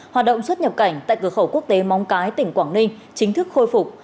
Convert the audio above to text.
hoạt động xuất nhập cảnh tại cửa khẩu quốc tế móng cái tỉnh quảng ninh chính thức khôi phục